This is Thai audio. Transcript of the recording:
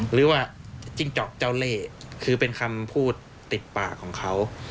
หรือว่าจิ้งเจาะเจ้าเล่คือเป็นคำพูดติดปากของเขา